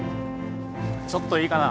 ちょっといいかな。